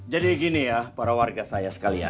jadi gini ya para warga saya sekalian